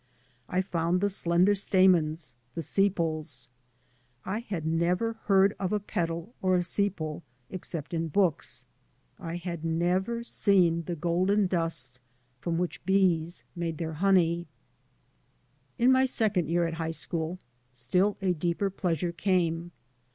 I found the slender stanuns, the sepals. I had never heard of a petal or a sepal, except in books. I had 3 by Google MY MOTHER AND I never seen the golden dust from which bees made their honey. In my second year at high school still a deeper pleasure came.